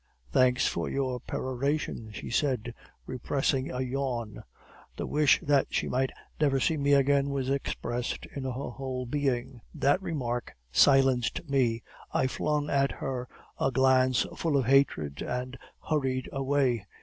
"'Thanks for your peroration!' she said, repressing a yawn; the wish that she might never see me again was expressed in her whole bearing. "That remark silenced me. I flung at her a glance full of hatred, and hurried away.